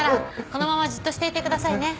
このままじっとしていてくださいね。